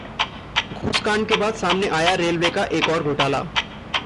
घूसकांड के बाद सामने आया रेलवे का एक और घोटाला